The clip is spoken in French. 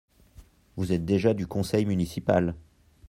Vous êtes déjà du conseil municipal…